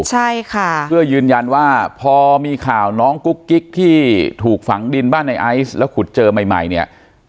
ใช่ค่ะเพื่อยืนยันว่าพอมีข่าวน้องกุ๊กกิ๊กที่ถูกฝังดินบ้านในไอซ์แล้วขุดเจอใหม่ใหม่เนี่ย